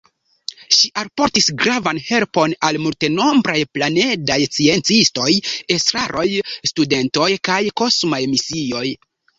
Ŝi alportis gravan helpon al multenombraj planedaj sciencistoj, estraroj, studentoj kaj kosmaj misioj.